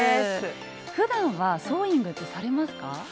ふだんはソーイングってされますか？